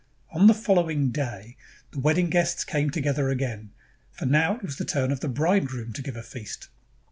On the following day the wedding guests came together again, for now it was the turn of the bridegroom to give a feast.